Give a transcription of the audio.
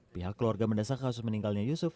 pihak keluarga mendesak kasus meninggalnya yusuf